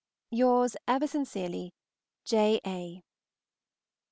Yours ever sincerely, J. A.